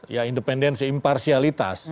ya independensi imparsialitas